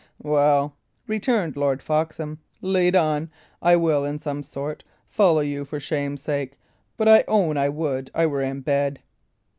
"Well," returned Lord Foxham, "lead on. I will, in some sort, follow you for shame's sake; but I own I would I were in bed."